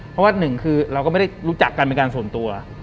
เพราะว่าหนึ่งคือเราก็ไม่ได้รู้จักกันเป็นการส่วนตัว